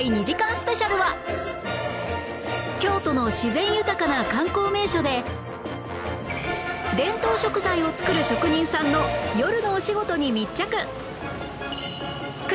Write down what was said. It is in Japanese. スペシャルは京都の自然豊かな観光名所で伝統食材を作る職人さんの夜のお仕事に密着！